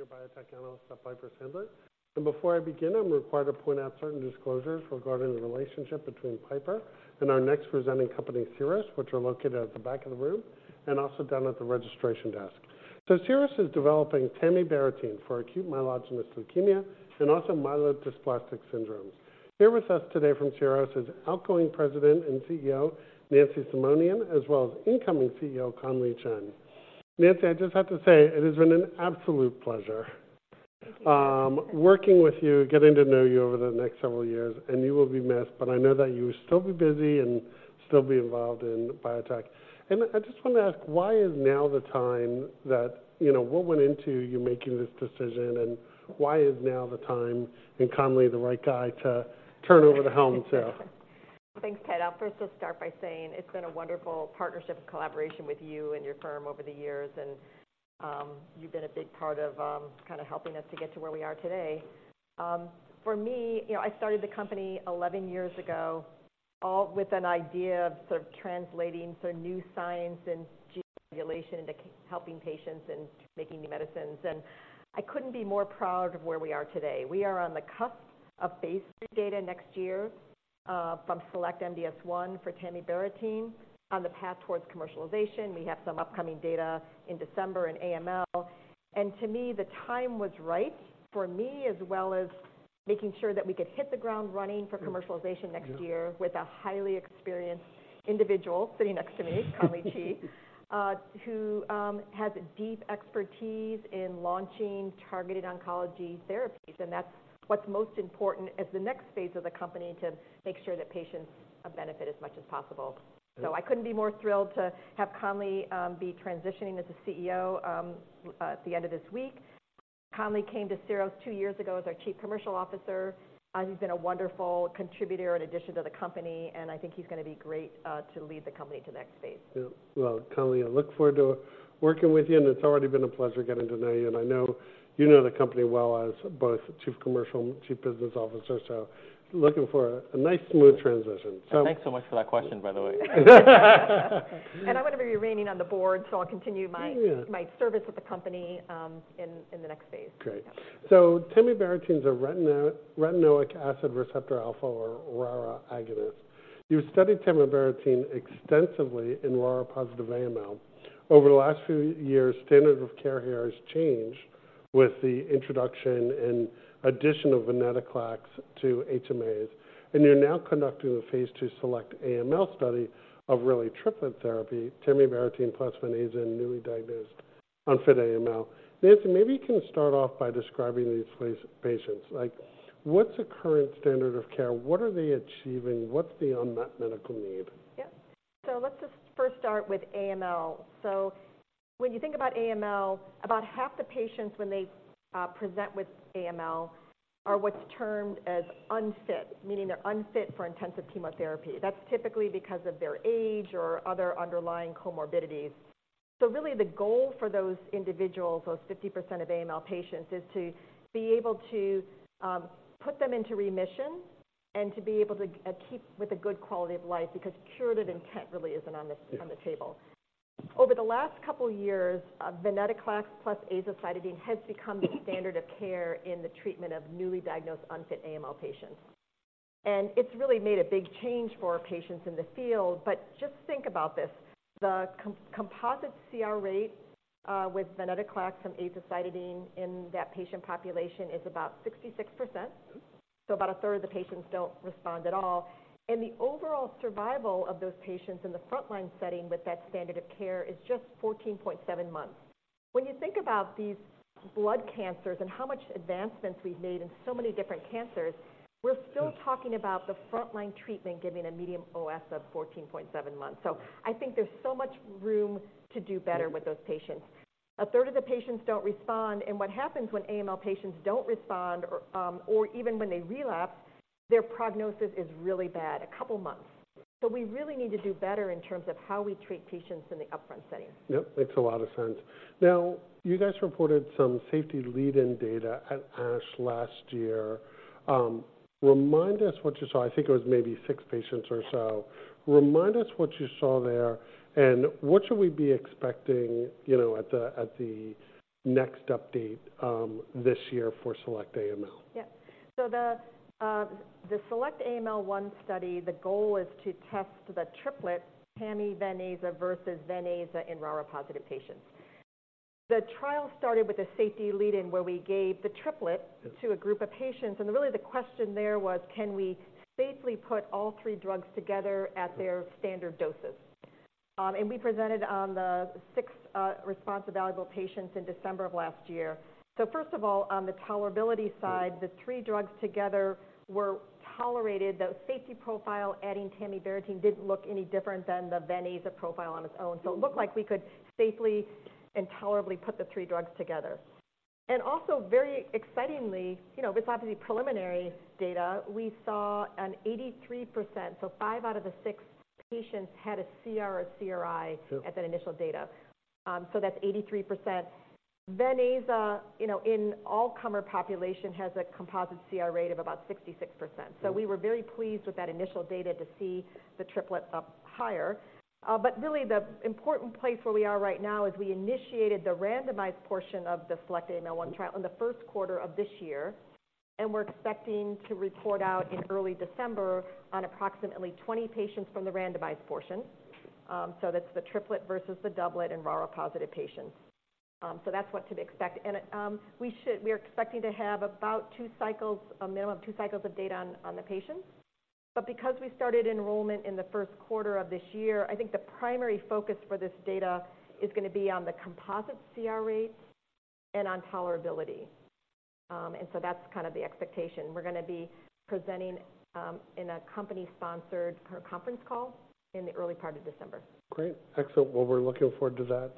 biotech analyst at Piper Sandler. Before I begin, I'm required to point out certain disclosures regarding the relationship between Piper and our next presenting company, Syros, which are located at the back of the room and also down at the registration desk. Syros is developing tamibarotene for acute myelogenous leukemia and also myelodysplastic syndrome. Here with us today from Syros is outgoing President and CEO, Nancy Simonian, as well as incoming CEO, Conley Chee. Nancy, I just have to say, it has been an absolute pleasure- Thank you. working with you, getting to know you over the next several years, and you will be missed, but I know that you will still be busy and still be involved in biotech. And I just want to ask, why is now the time that, you know, what went into you making this decision, and why is now the time, and Conley the right guy to turn over the helm to? Thanks, Ted. I'll first just start by saying it's been a wonderful partnership and collaboration with you and your firm over the years, and you've been a big part of kind of helping us to get to where we are today. For me, you know, I started the company 11 years ago, all with an idea of sort of translating so new science and gene regulation into helping patients and making new medicines, and I couldn't be more proud of where we are today. We are on the cusp of phase III data next year from SELECT-MDS-1 for tamibarotene on the path towards commercialization. We have some upcoming data in December in AML, and to me, the time was right for me, as well as making sure that we could hit the ground running for commercialization next year- Yeah. With a highly experienced individual sitting next to me, Conley Chee, who has deep expertise in launching targeted oncology therapies, and that's what's most important as the next phase of the company to make sure that patients benefit as much as possible. Yeah. So I couldn't be more thrilled to have Conley be transitioning as the CEO at the end of this week. Conley came to Syros two years ago as our Chief Commercial Officer. He's been a wonderful contributor and addition to the company, and I think he's going to be great to lead the company to the next phase. Yeah. Well, Conley, I look forward to working with you, and it's already been a pleasure getting to know you, and I know you know the company well as both Chief Commercial and Chief Business Officer, so looking for a nice, smooth transition. So- Thanks so much for that question, by the way. I'm going to be remaining on the board, so I'll continue my- Yeah My service with the company in the next phase. Great. So tamibarotene is a retinoic acid receptor alpha or RARα agonist. You studied tamibarotene extensively in RARA-positive AML. Over the last few years, standard of care here has changed with the introduction and addition of venetoclax to HMAs, and you're now conducting a phase II SELECT-AML study of really triplet therapy, tamibarotene plus venetoclax in newly diagnosed unfit AML. Nancy, maybe you can start off by describing these patients. Like, what's the current standard of care? What are they achieving? What's the unmet medical need? Yep. So let's just first start with AML. So when you think about AML, about half the patients, when they present with AML, are what's termed as unfit, meaning they're unfit for intensive chemotherapy. That's typically because of their age or other underlying comorbidities. So really the goal for those individuals, those 50% of AML patients, is to be able to put them into remission and to be able to keep with a good quality of life, because curative intent really isn't on the- Yeah On the table. Over the last couple of years, venetoclax plus azacitidine has become the standard of care in the treatment of newly diagnosed unfit AML patients. And it's really made a big change for patients in the field. But just think about this, the composite CR rate with venetoclax from azacitidine in that patient population is about 66%. Mm-hmm. So about a third of the patients don't respond at all, and the overall survival of those patients in the frontline setting with that standard of care is just 14.7 months. When you think about these blood cancers and how much advancements we've made in so many different cancers, we're still- Mm Talking about the frontline treatment giving a median OS of 14.7 months. So I think there's so much room to do better- Mm With those patients. A third of the patients don't respond, and what happens when AML patients don't respond or, or even when they relapse, their prognosis is really bad, a couple months. So we really need to do better in terms of how we treat patients in the upfront setting. Yep, makes a lot of sense. Now, you guys reported some safety lead-in data at ASH last year. Remind us what you saw. I think it was maybe six patients or so. Remind us what you saw there, and what should we be expecting, you know, at the next update this year for SELECT-AML? Yeah. So the SELECT-AML-1 study, the goal is to test the triplet tami, Ven/Aza versus venaza in RARA-positive patients. The trial started with a safety lead-in, where we gave the triplet- Yeah To a group of patients, and really the question there was: Can we safely put all three drugs together at their standard doses? And we presented on the sixth, response available patients in December of last year. So first of all, on the tolerability side- Right The three drugs together were tolerated. The safety profile, adding tamibarotene, didn't look any different than the venetoclax profile on its own. Mm-hmm. So it looked like we could safely and tolerably put the three drugs together. And also, very excitingly, you know, this is obviously preliminary data, we saw an 83%. So five out of the six patients had a CR or CRi- Sure At that initial data. So that's 83%. Venetoclax, you know, in all-comer population, has a composite CR rate of about 66%. Mm-hmm. So we were very pleased with that initial data to see the triplets up higher. But really the important place where we are right now is we initiated the randomized portion of the SELECT-AML-1 trial. Mm-hmm In the first quarter of this year... and we're expecting to report out in early December on approximately 20 patients from the randomized portion. So that's the triplet versus the doublet in RARA-positive patients. So that's what to expect. And, we are expecting to have about 2 cycles, a minimum of 2 cycles of data on, on the patients. But because we started enrollment in the first quarter of this year, I think the primary focus for this data is gonna be on the composite CR rate and on tolerability. And so that's kind of the expectation. We're gonna be presenting, in a company-sponsored conference call in the early part of December. Great. Excellent. Well, we're looking forward to that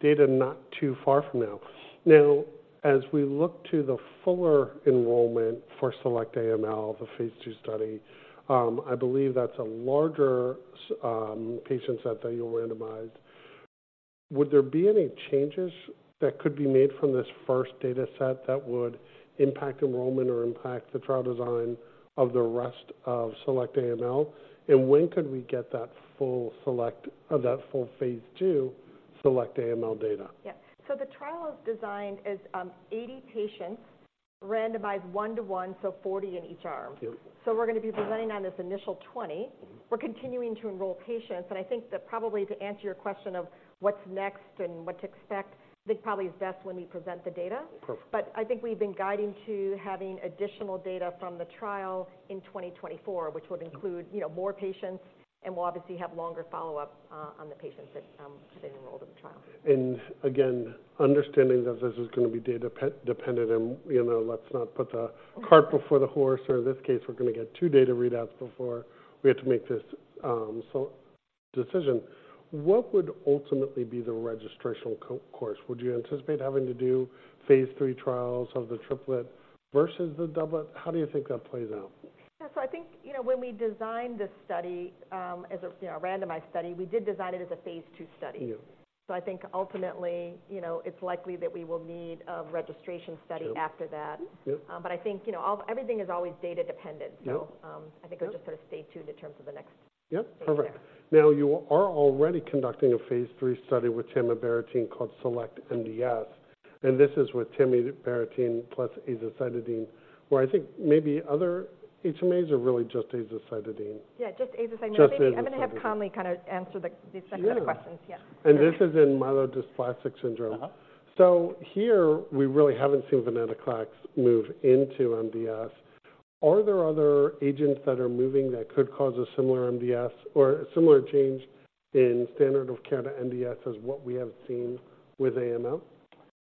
data not too far from now. Now, as we look to the fuller enrollment for SELECT-AML, the phase II study, I believe that's a larger patient set that you randomized. Would there be any changes that could be made from this first data set that would impact enrollment or impact the trial design of the rest of SELECT-AML? And when could we get that full SELECT-AML of that full phase II SELECT-AML data? Yeah. So the trial is designed as, 80 patients randomized 1:1, so 40 in each arm. Yep. We're gonna be presenting on this initial 20. Mm-hmm. We're continuing to enroll patients, and I think that probably to answer your question of what's next and what to expect, I think probably it's best when we present the data. Perfect. I think we've been guiding to having additional data from the trial in 2024, which would include, you know, more patients and will obviously have longer follow-up on the patients that they enrolled in the trial. And again, understanding that this is gonna be data dependent, and, you know, let's not put the cart before the horse, or in this case, we're gonna get two data readouts before we have to make this decision. What would ultimately be the registrational course? Would you anticipate having to do phase III trials of the triplet versus the doublet? How do you think that plays out? Yeah, so I think, you know, when we designed this study, as a, you know, randomized study, we did design it as a phase II study. Yeah. I think ultimately, you know, it's likely that we will need a registration study- Sure. After that. Yep. But I think, you know, everything is always data dependent. Yep. I think I'll just- Yep Sort of stay tuned in terms of the next. Yep, perfect. Now, you are already conducting a phase III study with tamibarotene called SELECT-MDS, and this is with tamibarotene plus azacitidine, where I think maybe other HMAs, or really just azacitidine? Yeah, just azacitidine. Just azacitidine. I'm gonna have Conley kind of answer these specific questions. Yeah. Yes. This is in myelodysplastic syndrome. Uh-huh. So here, we really haven't seen venetoclax move into MDS. Are there other agents that are moving that could cause a similar MDS or a similar change in standard of care to MDS as what we have seen with AML?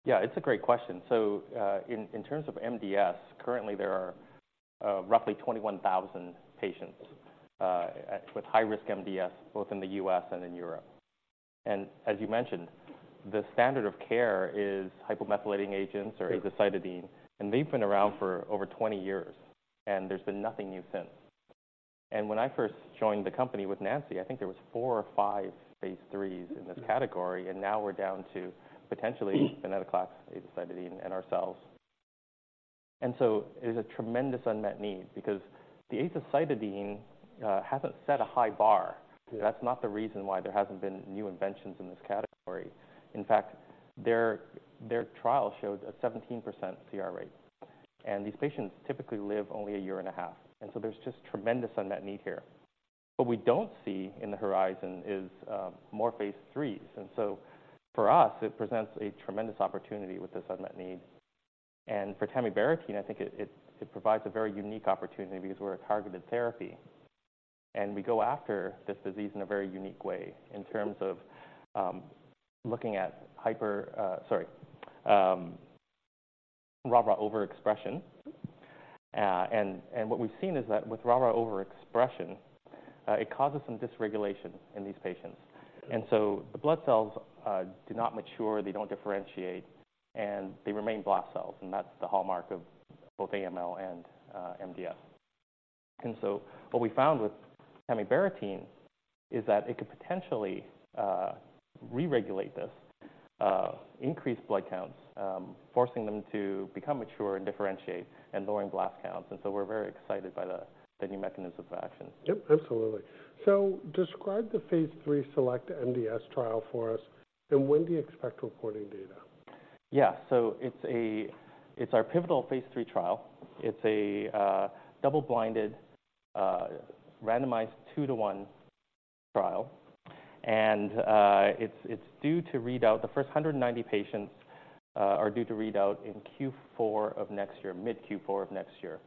Yeah, it's a great question. So, in terms of MDS, currently, there are roughly 21,000 patients with high-risk MDS, both in the U.S. and in Europe. As you mentioned, the standard of care is hypomethylating agents or azacitidine, and they've been around for over 20 years, and there's been nothing new since. When I first joined the company with Nancy, I think there was 4 or 5 phase IIIs in this category, and now we're down to potentially venetoclax, azacitidine, and ourselves. So there's a tremendous unmet need because the azacitidine hasn't set a high bar. Yeah. That's not the reason why there hasn't been new inventions in this category. In fact, their trial showed a 17% CR rate, and these patients typically live only a year and a half, and so there's just tremendous unmet need here. What we don't see in the horizon is more phase IIIs, and so for us, it presents a tremendous opportunity with this unmet need. And for tamibarotene, I think it provides a very unique opportunity because we're a targeted therapy, and we go after this disease in a very unique way in terms of looking at RARA overexpression. And what we've seen is that with RARA overexpression, it causes some dysregulation in these patients. Yeah. And so the blood cells do not mature, they don't differentiate, and they remain blast cells, and that's the hallmark of both AML and MDS. And so what we found with tamibarotene is that it could potentially re-regulate this, increase blood counts, forcing them to become mature and differentiate and lowering blast counts. And so we're very excited by the new mechanisms of action. Yep, absolutely. Describe the phase III SELECT-MDS trial for us, and when do you expect reporting data? Yeah. So it's our pivotal phase III trial. It's a double-blind, randomized II-to-I trial, and it's due to read out. The first 190 patients are due to read out in Q4 of next year, mid-Q4 of next year.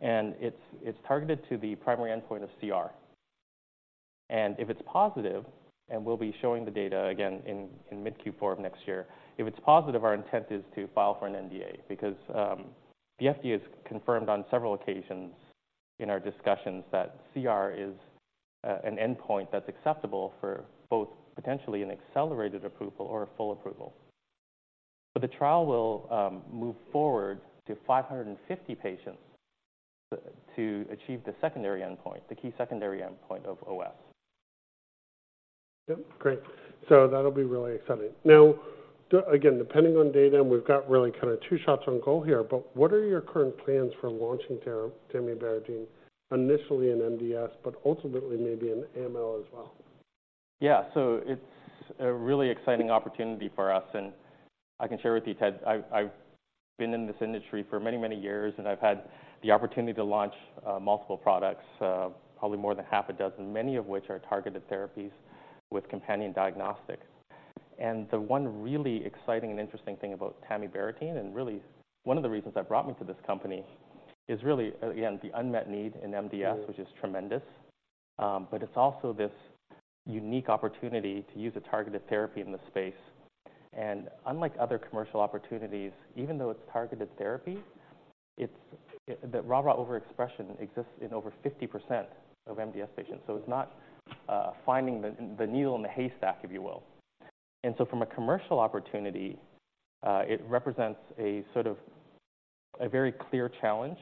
And it's targeted to the primary endpoint of CR. And if it's positive, and we'll be showing the data again in mid-Q4 of next year, if it's positive, our intent is to file for an NDA because the FDA has confirmed on several occasions in our discussions that CR is an endpoint that's acceptable for both potentially an accelerated approval or a full approval. But the trial will move forward to 550 patients to achieve the secondary endpoint, the key secondary endpoint of OS. Yep, great. So that'll be really exciting. Now, again, depending on data, and we've got really kind of two shots on goal here, but what are your current plans for launching tamibarotene, initially in MDS, but ultimately maybe in AML as well? Yeah, so it's a really exciting opportunity for us, and I can share with you, Ted, I've been in this industry for many years, and I've had the opportunity to launch multiple products, probably more than half a dozen, many of which are targeted therapies with companion diagnostics. And the one really exciting and interesting thing about tamibarotene, and really one of the reasons that brought me to this company, is really, again, the unmet need in MDS- Sure Which is tremendous. But it's also this unique opportunity to use a targeted therapy in the space. And unlike other commercial opportunities, even though it's targeted therapy, it's the RARA overexpression exists in over 50% of MDS patients, so it's not finding the needle in the haystack, if you will. And so from a commercial opportunity, it represents a sort of a very clear challenge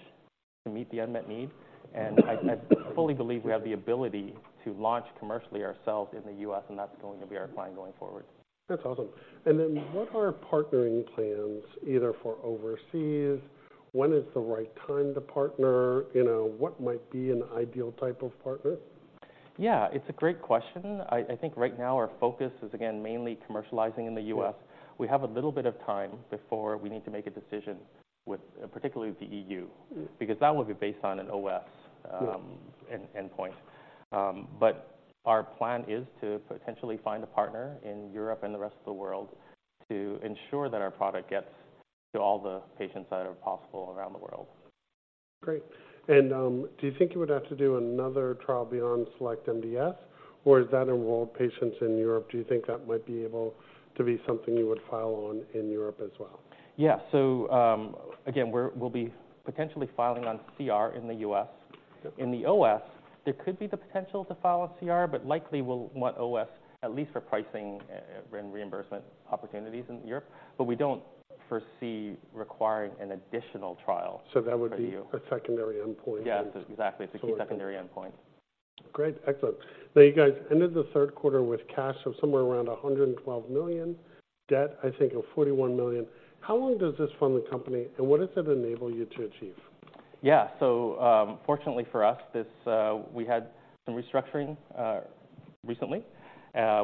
to meet the unmet need. And I fully believe we have the ability to launch commercially ourselves in the U.S., and that's going to be our plan going forward. That's awesome. Then, what are partnering plans, either for overseas? When is the right time to partner? You know, what might be an ideal type of partner? Yeah, it's a great question. I, I think right now our focus is, again, mainly commercializing in the U.S. Sure. We have a little bit of time before we need to make a decision with, particularly with the EU- Mm. Because that will be based on an OS, Sure End, endpoint. But our plan is to potentially find a partner in Europe and the rest of the world to ensure that our product gets to all the patients that are possible around the world. Great. And, do you think you would have to do another trial beyond SELECT-MDS-1, or is that enrolled patients in Europe? Do you think that might be able to be something you would file on in Europe as well? Yeah. So, again, we'll be potentially filing on CR in the U.S. Sure. In the OS, there could be the potential to file a CR, but likely we'll want OS at least for pricing, and reimbursement opportunities in Europe, but we don't foresee requiring an additional trial. That would be- For you A secondary endpoint. Yes, exactly. So- It's a secondary endpoint. Great, excellent. Now, you guys ended the third quarter with cash of somewhere around $112 million, debt, I think, of $41 million. How long does this fund the company, and what does it enable you to achieve? Yeah, so, fortunately for us, this. We had some restructuring recently,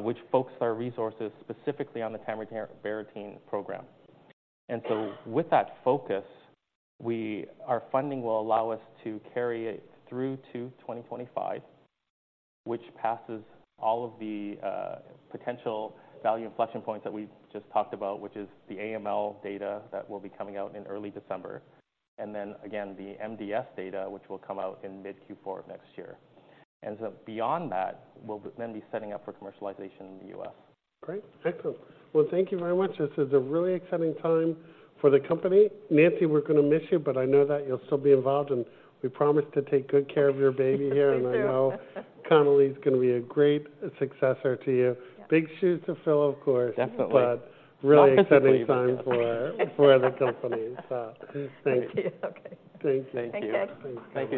which focused our resources specifically on the tamibarotene program. And so with that focus, our funding will allow us to carry it through to 2025, which passes all of the potential value inflection points that we just talked about, which is the AML data that will be coming out in early December, and then again, the MDS data, which will come out in mid-Q4 next year. And so beyond that, we'll then be setting up for commercialization in the U.S. Great, excellent. Well, thank you very much. This is a really exciting time for the company. Nancy, we're gonna miss you, but I know that you'll still be involved, and we promise to take good care of your baby here. Thank you. I know Conley's gonna be a great successor to you. Yeah. Big shoes to fill, of course. Definitely. But really- Not going to believe it.... exciting time for the company. So thank you. Thank you. Okay. Thank you. Thank you. Thanks, guys. Thank you.